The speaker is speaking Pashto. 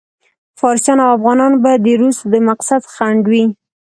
فارسیان او افغانان به د روس د مقصد خنډ وي.